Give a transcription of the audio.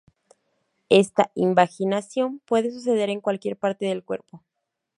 Esta invaginación puede suceder en cualquier parte del cuerpo.